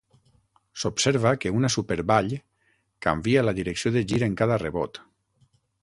S'observa que una Super Ball canvia la direcció de gir en cada rebot.